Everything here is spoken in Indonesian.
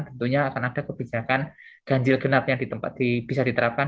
tentunya akan ada kebijakan ganjil genap yang bisa diterapkan